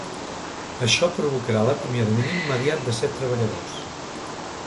Això provocarà l’acomiadament immediat de set treballadors.